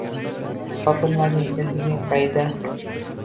chopilmading, ildizing qayda?!